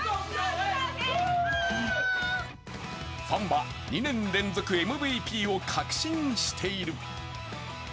ファンは２年連続ＭＶＰを確信している。